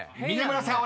［峯村さん